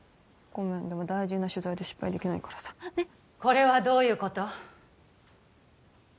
ごめんでも大事な取材で失敗できないからさねっこれはどういうこと？